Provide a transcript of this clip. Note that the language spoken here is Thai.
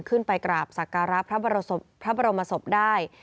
ขึ้นไปกราบสักการะพระบรมศพได้